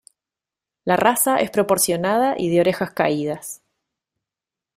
La raza es proporcionada y de orejas caídas.